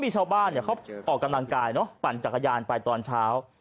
มีชาวบ้านเขาออกกำลังกายเนอะปั่นจักรยานไปตอนเช้า